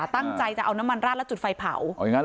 ตั้งใจจะเอาน้ำมันราดแล้วจุดไฟเผา